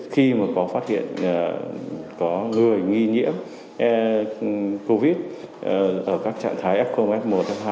khi mà có phát hiện có người nghi nhiễm covid ở các trạng thái f f một f hai